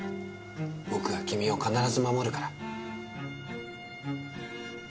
僕が君を必ず守るから。